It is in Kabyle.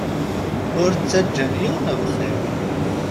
Ur ttaǧǧan yiwen bxir.